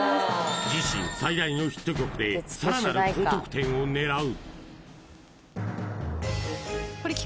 自身最大のヒット曲でさらなる高得点を狙う！